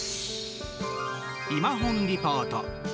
「いまほんリポート」。